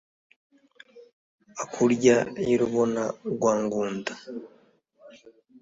akurya y’i rubona rwa ngunda